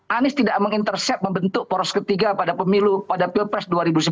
anies tidak mengintercept membentuk poros ketiga pada pemilu pada pilpres dua ribu sembilan belas